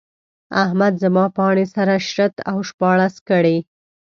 احمد زما پاڼې سره شرت او شپاړس کړې.